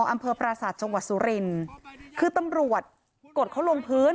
อำเภอปราศาสตร์จังหวัดสุรินคือตำรวจกดเขาลงพื้น